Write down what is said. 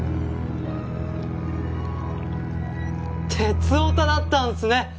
鉄オタだったんすね！